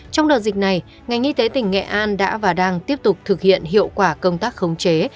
trong đợt dịch này ngành y tế tỉnh nghệ an đã và đang tiếp tục thực hiện hiệu quả công tác khống chế